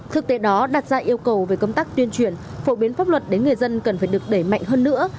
thực tế đó đặt ra yêu cầu về công tác tuyên truyền phổ biến pháp luật đến người dân cần phải được đẩy mạnh hơn nữa